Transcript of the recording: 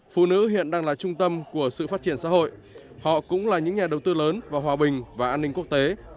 phụ nữ hiện đang là trung tâm của sự phát triển xã hội họ cũng là những nhà đầu tư lớn vào hòa bình và an ninh quốc tế